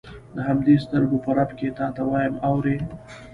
د همدې سترګو په رپ کې تا ته وایم اورې.